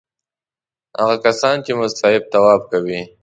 هغه کسان چې مستحب طواف کوي.